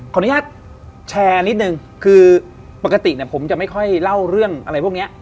อนุญาตแชร์นิดนึงคือปกติผมจะไม่ค่อยเล่าเรื่องอะไรพวกเนี้ย